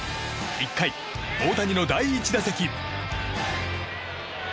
１回、大谷の第１打席。